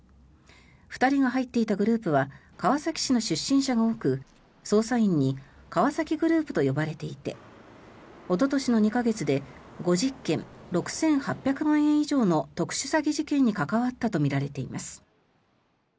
２人が入っていたグループは川崎市の出身者が多く捜査員に川崎グループと呼ばれていておととしの２か月で５０件６８００万円以上の特殊詐欺事件に関わったとみられています。